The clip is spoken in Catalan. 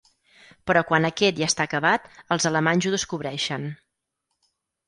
Però quan aquest ja està acabat els alemanys ho descobreixen.